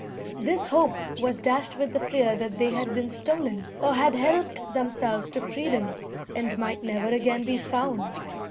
This hope was dashed with the fear that they had been stolen, or had helped themselves to freedom, and might never again be found.